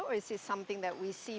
atau apakah ini sesuatu yang kita lihat